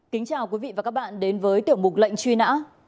kính chào quý vị và các bạn đến với tiểu mục lệnh chuyên án